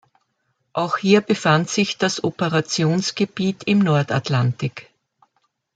Auch hier befand sich das Operationsgebiet im Nordatlantik.